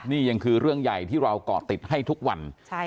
นี่ยังคือเรื่องใหญ่ที่เราเกาะติดให้ทุกวัน